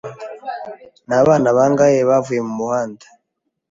Ni abana bangahe bavuye mu muhanda